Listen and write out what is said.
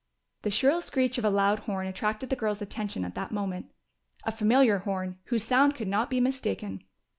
The shrill screech of a loud horn attracted the girls' attention at that moment. A familiar horn, whose sound could not be mistaken.